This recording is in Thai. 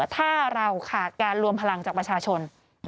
ถ้าเราขาดการรวมพลังจากประชาชน